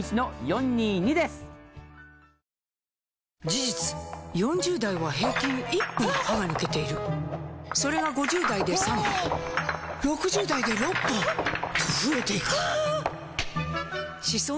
事実４０代は平均１本歯が抜けているそれが５０代で３本６０代で６本と増えていく歯槽